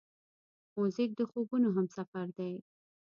موزیک د خوبونو همسفر دی.